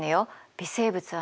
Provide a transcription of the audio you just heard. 微生物はね